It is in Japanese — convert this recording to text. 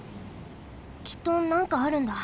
きっとなんかあるんだ。